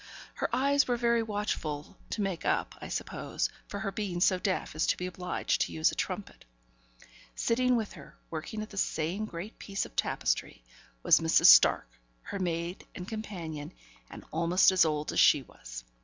Her eyes were very watchful, to make up, I suppose, for her being so deaf as to be obliged to use a trumpet. Sitting with her, working at the same great piece of tapestry, was Mrs. Stark, her maid and companion, and almost as old as she was.